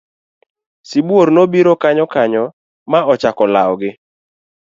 Sibuor nobiro kanyo kanyo ma ochako lawogi.